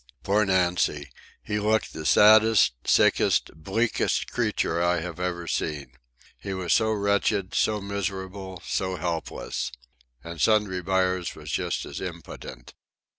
Poor Nancy! He looked the saddest, sickest, bleakest creature I had ever seen. He was so wretched, so miserable, so helpless. And Sundry Buyers was just as impotent.